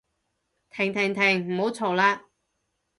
停停停唔好嘈喇